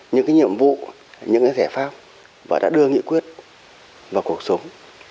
những cái nhiệm vụ những cái giải pháp và đã đưa nghị quyết vào cuộc sống